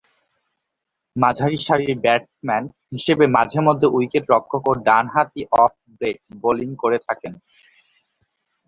মাঝারি সারির ব্যাটসম্যান হিসেবে মাঝে-মধ্যে উইকেট-রক্ষক ও ডানহাতি অফ-ব্রেক বোলিং করে থাকেন।